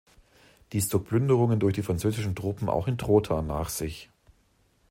Dies zog Plünderungen durch die französischen Truppen auch in Trotha nach sich.